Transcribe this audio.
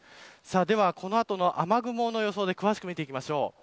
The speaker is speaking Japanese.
では、この後の雨雲の予想を詳しく見ていきましょう。